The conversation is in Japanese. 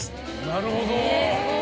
なるほど。